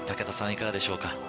いかがでしょうか？